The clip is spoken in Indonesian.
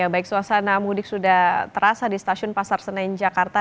baik suasana mudik sudah terasa di stasiun pasar senen jakarta